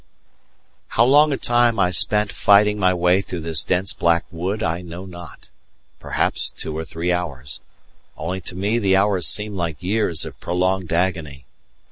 How long a time I spent fighting my way through this dense black wood I know not; perhaps two or three hours, only to me the hours seemed like years of prolonged agony.